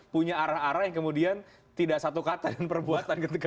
punya arah arah yang kemudian tidak satu kata dan perbuatan ketika